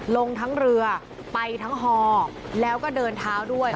ลงทั้งเรือไปทั้งฮอแล้วก็เดินเท้าด้วย